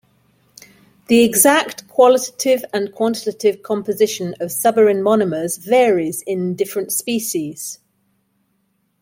The exact qualitative and quantitative composition of suberin monomers varies in different species.